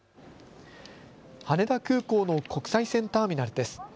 羽田空港の国際線ターミナルです。